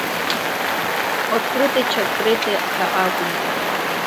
Открыты-чаткрыты ҳәа акәымкәа.